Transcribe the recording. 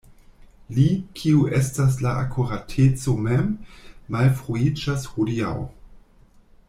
Li, kiu estas la akurateco mem, malfruiĝas hodiaŭ.